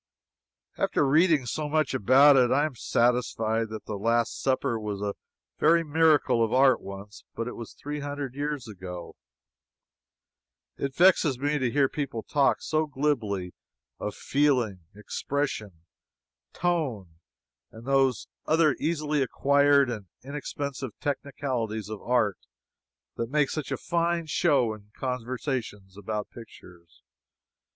After reading so much about it, I am satisfied that the Last Supper was a very miracle of art once. But it was three hundred years ago. It vexes me to hear people talk so glibly of "feeling," "expression," "tone," and those other easily acquired and inexpensive technicalities of art that make such a fine show in conversations concerning pictures.